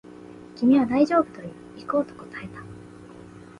君は大丈夫と言い、行こうと答えた